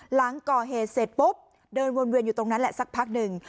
หลังก่อเหตุเสร็จปุ๊บเดินวนเวียนอยู่ตรงนั้นแหละสักพักหนึ่ง